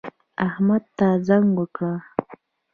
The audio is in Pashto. احمد ته زنګ وکړه